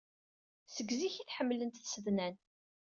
Seg zik ay t-ḥemmlent tsednan.